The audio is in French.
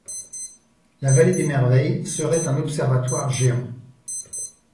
La vallée des Merveilles serait un observatoire géant.